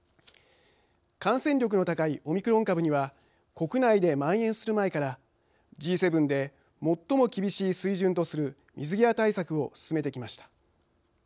感染力の高いオミクロン株には国内でまん延する前からＧ７で最も厳しい水準とする水際対策を進めてきました。